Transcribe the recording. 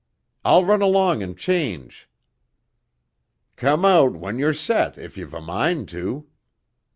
I'll run along and change." "Come out when you're set if you've a mind to."